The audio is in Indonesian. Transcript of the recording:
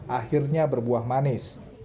akhirnya berbuah manis